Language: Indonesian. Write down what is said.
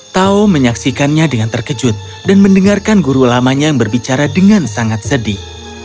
tau menyaksikannya dengan terkejut dan mendengarkan guru lamanya yang berbicara dengan sangat sedih